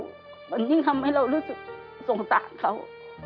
มันยิ่งทำให้เรารู้สึกสงสารเขา